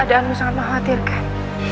keadaanmu sangat mengkhawatirkan